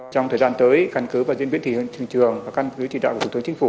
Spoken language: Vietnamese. trong thời gian tới căn cứ và diễn viên thị hướng trường trường và căn cứ trị đạo của tôi